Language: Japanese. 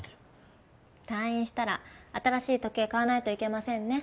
退院したら新しい時計買わないといけませんね。